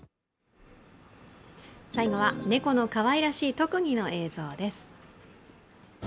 最後は、猫のかわいらしい特技の映像です。